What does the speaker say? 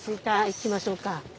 行きましょうか。